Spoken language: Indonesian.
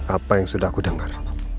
apa yang sudah aku dengar